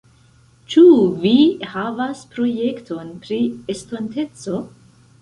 Ĉu vi havas projektojn pri estonteco?